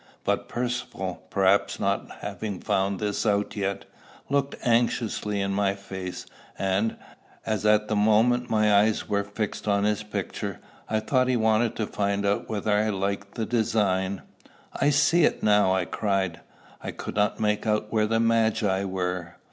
But Percivale, perhaps not having found this out yet, looked anxiously in my face; and, as at the moment my eyes were fixed on his picture, I thought he wanted to find out whether I liked the design. "I see it now!" I cried. "I could not make out where the Magi were."